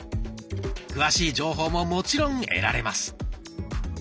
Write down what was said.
詳しい情報ももちろん得られます。